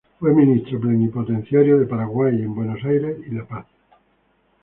Fue ministro plenipotenciario de Paraguay en Buenos Aires y La Paz.